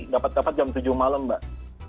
dapat dapat jam tujuh malam mbak